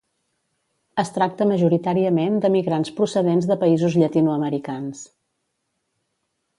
Es tracta majoritàriament de migrants procedents de països llatinoamericans.